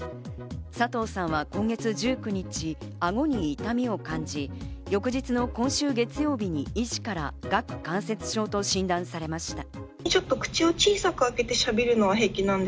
佐藤さんは今月１９日、顎に痛みを感じ、翌日の今週月曜日に医師から顎関節症と診断されました。